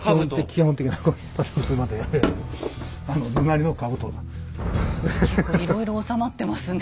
基本的な結構いろいろ納まってますね。